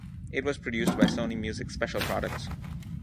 It was produced by Sony Music Special Products.